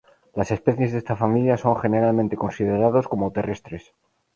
Las especies de esta familia son generalmente considerados como terrestres.